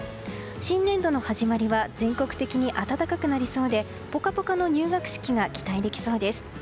新年度の始まりは全国的に暖かくなりそうでポカポカの入学式が期待できそうです。